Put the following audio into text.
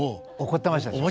怒ってましたね。